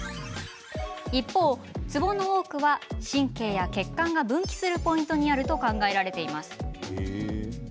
一方、ツボの多くは神経や血管が分岐するポイントにあると考えられています。